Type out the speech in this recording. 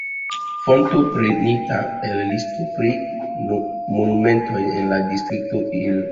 Fonto prenita el listo pri monumentoj en la Distrikto Ilm.